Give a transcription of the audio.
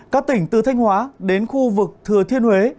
các tỉnh từ thanh hóa đến khu vực thừa thiên huế